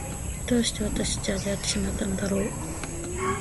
どうして私たちは出会ってしまったのだろう。